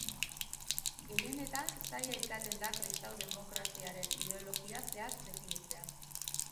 Gehienetan zaila izaten da kristau-demokraziaren ideologia zehatz definitzea.